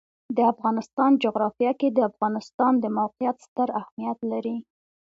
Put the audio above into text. د افغانستان جغرافیه کې د افغانستان د موقعیت ستر اهمیت لري.